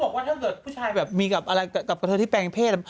บอกว่าถ้าเกิดผู้ชายแบบมีอะไรกับกระเทยที่แปลงเพศ